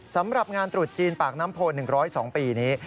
สำหรับงานตรุษจีนปากน้ำโพ๑๐๒ปีนี้